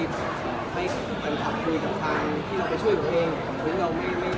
เราก็ไม่อยากไปเป้าข้อเลือกเงินกันกับคนใดคนอื่น